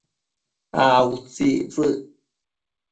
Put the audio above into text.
a utsictsec?